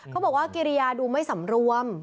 เขาบอกว่าเกิริร์ยาดูไม่สำรวม